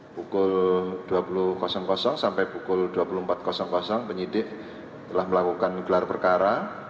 pukul dua puluh sampai pukul dua puluh empat penyidik telah melakukan gelar perkara